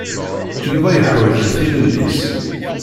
Yuba yeḥwaǧ tilelli-s.